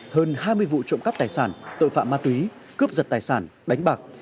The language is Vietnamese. hơn hai mươi vụ trộm cắp tài sản tội phạm ma túy cướp giật tài sản đánh bạc